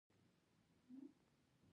ایا پرهیز مو کړی دی؟